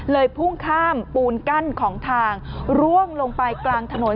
พุ่งข้ามปูนกั้นของทางร่วงลงไปกลางถนน